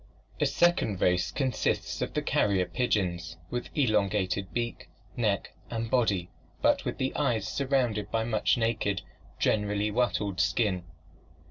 A second race consists of the carrier pigeons, with elongated beak, neck and body but with the eyes surrounded by much naked, generally wattled skin.